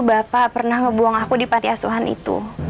bapak pernah ngebuang aku di pantiasuhan itu